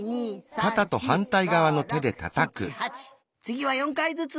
つぎは４かいずつ！